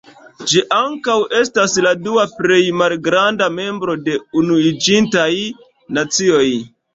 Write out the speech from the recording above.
Ĝi ankaŭ estas la dua plej malgranda membro de Unuiĝintaj Nacioj.